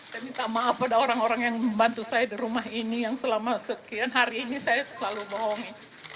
saya minta maaf pada orang orang yang membantu saya di rumah ini yang selama sekian hari ini saya selalu bohongi